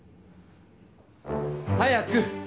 早く！